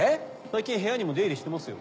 最近部屋にも出入りしてますよ。